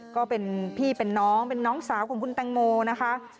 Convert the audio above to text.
ก็เป็นพี่เป็นน้องเป็นน้องสาวของคุณแตงโมนะคะ